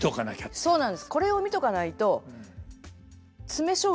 そうなんです。